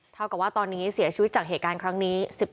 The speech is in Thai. เท่ากับว่าตอนนี้เสียชีวิตจากเหตุการณ์ครั้งนี้